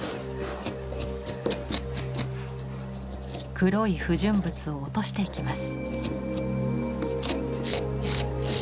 黒い不純物を落としていきます。